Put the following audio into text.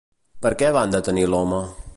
Per què van detenir l'home?